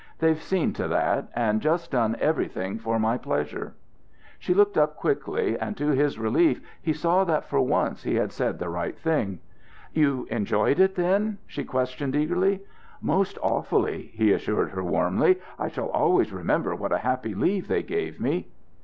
They've seen to that, and just done everything for my pleasure." She looked up quickly, and to his relief he saw that for once he had said the right thing. "You enjoyed it, then?" she questioned eagerly. "Most awfully," he assured her warmly. "I shall always remember what a happy leave they gave me."